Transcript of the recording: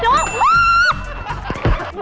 จู๊ก